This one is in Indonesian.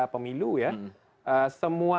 pemilu ya semua